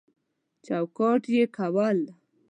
چوکاټ کې کول